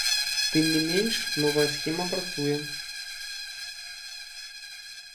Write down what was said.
Тым не менш, новая схема працуе.